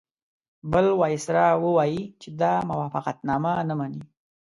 بل وایسرا ووایي چې دا موافقتنامه نه مني.